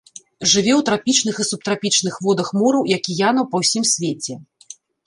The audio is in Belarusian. Жыве ў трапічных і субтрапічных водах мораў і акіянаў па ўсім свеце.